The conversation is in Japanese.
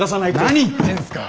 何言ってんすか。